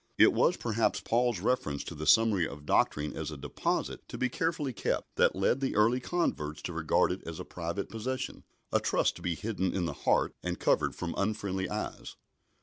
It was perhaps Paul's reference to the summary of doctrine as a "deposit" to be carefully kept, that led the early converts to regard it as a private possession a trust to be hidden in the heart and covered from unfriendly eyes.